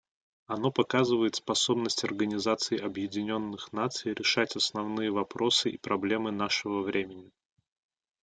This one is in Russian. Оно показывает способность Организации Объединенных Наций решать основные вопросы и проблемы нашего времени.